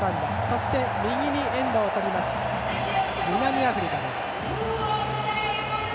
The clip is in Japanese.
そして右にエンドをとります南アフリカです。